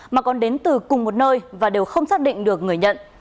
mà còn đến từ cùng một nơi và đều không xác định được người nhận